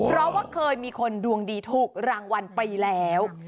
เพราะว่าเคยมีคนดวงดีถูกรางวัลไปแล้ว